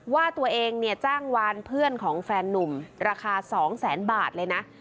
ว่าตัวเองเนี่ยจ้างวานเพื่อนของแฟนนุ่มราคา๒แสนบาทเลยนะ